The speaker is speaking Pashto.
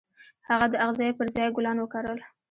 هغه د اغزيو پر ځای ګلان وکرل.